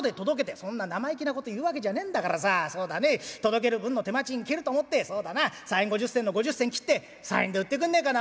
そんな生意気なこと言うわけじゃねえんだからさそうだね届ける分の手間賃切ると思ってそうだな３円５０銭の５０銭切って３円で売ってくんねえかな？」。